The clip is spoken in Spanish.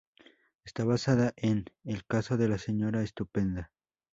Está basada en "El caso de la señora estupenda".